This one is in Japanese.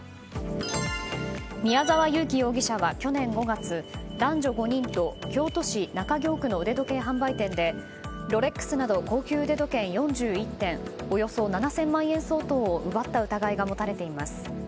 宮沢優樹容疑者は去年５月男女５人と京都市中京区の腕時計販売店でロレックスなど高級腕時計４１点およそ７０００万円相当を奪った疑いが持たれています。